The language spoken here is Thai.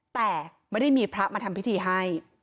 แต่ไม่ได้มีพระมาทำพิธีให้